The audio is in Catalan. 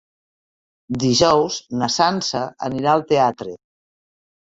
Dijous na Sança anirà al teatre.